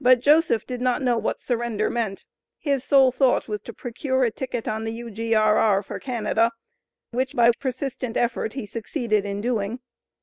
But Joseph did not know what surrender meant. His sole thought was to procure a ticket on the U.G.R.R. for Canada, which by persistent effort he succeeded in doing.